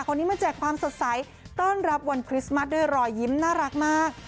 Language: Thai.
คนนี้มาแจกความสดใสต้อนรับวันคริสต์มัสด้วยรอยยิ้มน่ารักมาก